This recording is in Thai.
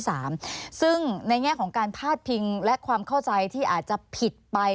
ซึ่งในแง่ของการพาดพิงและความเข้าใจที่อาจจะผิดไป